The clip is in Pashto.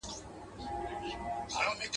ایا ډاکټر اوږده پاڼه ړنګه کړه؟